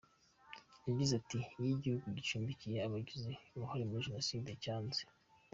Yagize ati:” Iyo igihugu gicumbikiye abagize uruhare muri jenoside, cyanze .